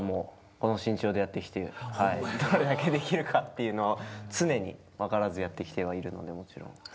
この身長でやってきてどれだけできるかっていうのを常に分からずやってきてはいるので。